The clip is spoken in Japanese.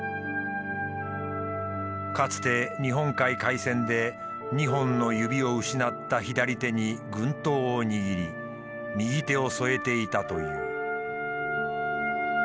かつて日本海海戦で２本の指を失った左手に軍刀を握り右手を添えていたという。